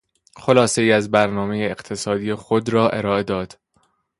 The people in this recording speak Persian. خلاصهای از برنامهی اقتصادی خود را ارائه داد.